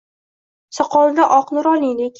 Soqolida oq – nuroniylik